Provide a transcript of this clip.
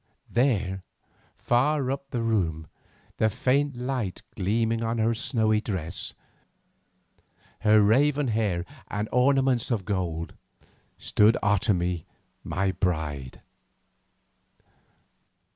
There, far up the room, the faint light gleaming on her snowy dress, her raven hair and ornaments of gold, stood Otomie my bride.